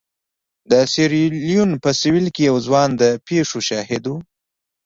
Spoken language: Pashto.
د سیریلیون په سوېل کې یو ځوان د پېښو شاهد و.